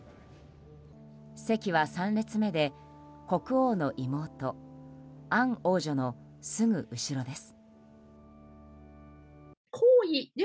席は３列目で国王の妹アン王女のすぐ後ろです。